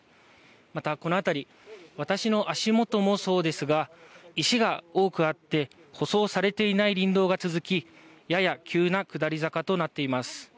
またこの辺り、私の足元もそうですが石が多くあって舗装されていない林道が続きやや急な下り坂となっています。